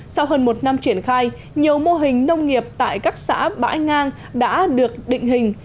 sau hơn một năm triển khai nhiều mô hình nông nghiệp tại các xã bãi ngang đã được định hình